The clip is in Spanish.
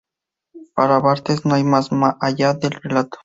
Para Barthes no hay más allá del relato.